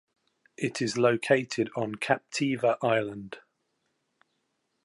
It is located on Captiva Island.